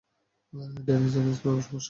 Danny, জানিস তোর সমস্যা কী?